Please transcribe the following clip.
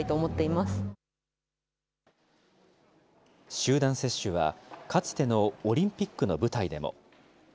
集団接種はかつてのオリンピックの舞台でも。